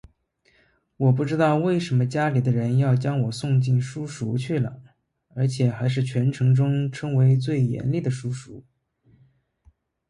我不知道为什么家里的人要将我送进书塾里去了而且还是全城中称为最严厉的书塾